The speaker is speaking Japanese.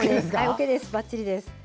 ばっちりです。